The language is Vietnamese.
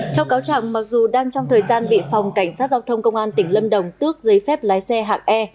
theo cáo chẳng mặc dù đang trong thời gian bị phòng cảnh sát giao thông công an tỉnh lâm đồng tước giấy phép lái xe hạng e